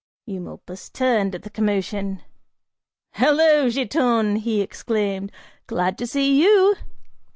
Eumolpus turned at the commotion. "Hello, Giton," he exclaimed, "glad to see you!"